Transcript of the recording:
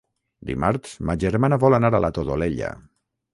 Dimarts ma germana vol anar a la Todolella.